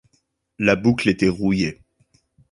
La boucle était rouillée.